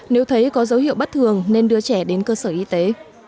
nếu thấy có dấu hiệu bất thường nên đưa trẻ đến cơ sở y tế